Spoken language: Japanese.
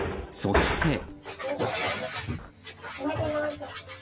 そして。